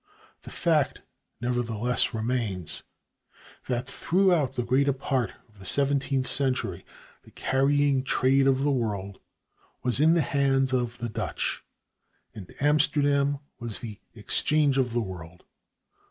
The fact nevertheless remains that throughout the greater part of the seventeenth century the carrying trade of the world was in the hands of the Dutch and Amsterdam was the exchange of the world.